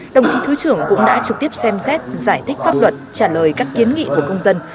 đồng chí thứ trưởng cũng đã trực tiếp xem xét giải thích pháp luật trả lời các kiến nghị của công dân